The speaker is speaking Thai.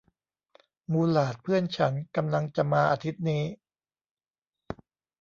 มูหลาดเพื่อนฉันกำลังจะมาอาทิตย์นี้